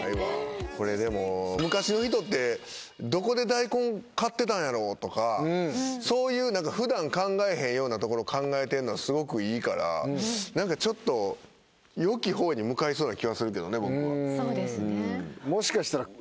これでも昔の人ってどこで大根買ってたんやろとかそういう普段考えへんようなところ考えてんのはすごくいいから何かちょっと良きほうに向かいそうな気はするけどね